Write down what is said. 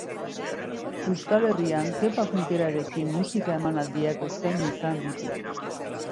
Euskal Herrian Kepa Junkerarekin musika emanaldiak eskaini izan ditu.